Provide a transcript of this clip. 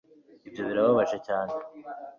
ibyo birababaje cyane